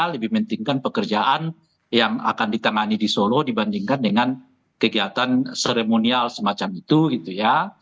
lebih pentingkan pekerjaan yang akan ditangani di solo dibandingkan dengan kegiatan seremonial semacam itu gitu ya